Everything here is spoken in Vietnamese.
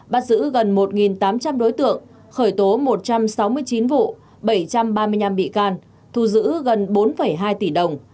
bắt giữ gần một tám trăm linh đối tượng khởi tố một trăm sáu mươi chín vụ bảy trăm ba mươi năm bị can thu giữ gần bốn hai tỷ đồng